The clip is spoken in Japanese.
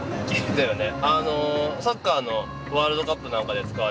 だよね。